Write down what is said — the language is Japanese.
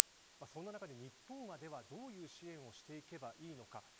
そんな中で、日本はどういう支援をしていけばいいのか。